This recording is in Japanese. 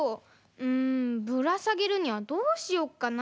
んぶらさげるにはどうしようかな？